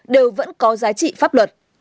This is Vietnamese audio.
đều vẫn có giá trị pháp luật